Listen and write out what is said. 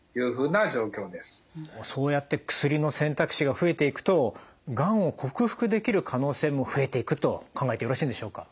そうやって薬の選択肢が増えていくとがんを克服できる可能性も増えていくと考えてよろしいんでしょうか？